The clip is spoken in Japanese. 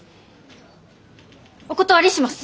お断りします！